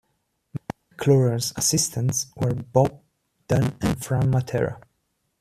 McClure's assistants were Bob Dunn and Fran Matera.